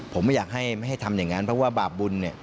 ผมไม่อยากให้ทำอย่างนั้นเพราะว่าบาปบุญเนี่ย